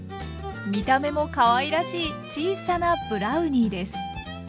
見た目もかわいらしい小さなブラウニーです。